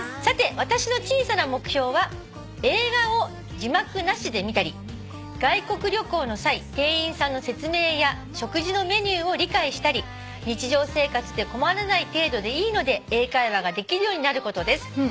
「さて私の小さな目標は映画を字幕なしで見たり外国旅行の際店員さんの説明や食事のメニューを理解したり日常生活で困らない程度でいいので英会話ができるようになることです」